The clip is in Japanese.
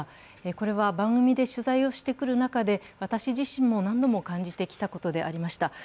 これは番組で取材してくる中で私自身も何度も感じてきたことでありました。